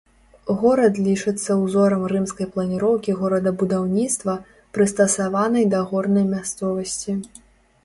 Горад лічыцца ўзорам рымскай планіроўкі горадабудаўніцтва, прыстасаванай да горнай мясцовасці.